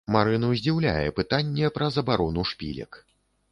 Марыну здзіўляе пытанне пра забарону шпілек.